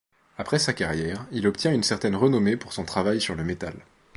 Après sa carrière, il obtient une certaine renommée pour son travail sur le métal.